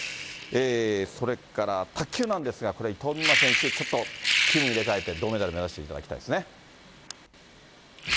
それから卓球なんですが、これ、伊藤美誠選手、ちょっと気分入れ替えて、銅メダル目指していただきたいですね。